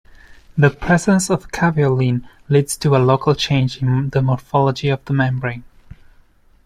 The presence of caveolin leads to a local change in morphology of the membrane.